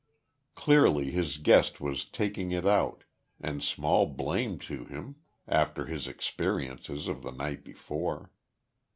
Clearly his guest was "taking it out," and small blame to him, after his experiences of the night before.